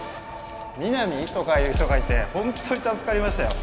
皆実とかいう人がいてホントに助かりましたよ